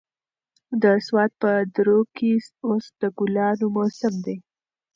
د سوات په درو کې اوس د ګلانو موسم دی.